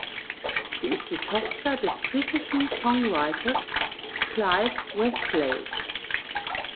Sie ist die Tochter des britischen Songwriters Clive Westlake.